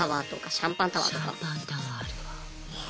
シャンパンタワーあるわ。